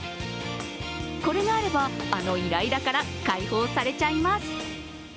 これがあれば、あのイライラから解放されちゃいます。